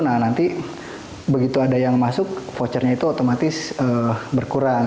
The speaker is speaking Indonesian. nah nanti begitu ada yang masuk vouchernya itu otomatis berkurang